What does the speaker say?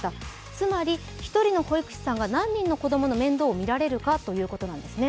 つまり１人の保育士さんが何人の子供の面倒を見られるかということなんですね。